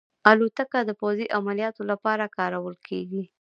الوتکه د پوځي عملیاتو لپاره هم کارول کېږي.